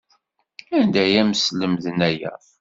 Anda ay am-slemden aya?